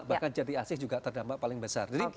bahkan jati asih juga terdampak paling besar